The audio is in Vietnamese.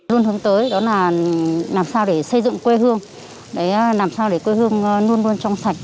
luôn hướng tới đó là làm sao để xây dựng quê hương làm sao để quê hương luôn luôn trong sạch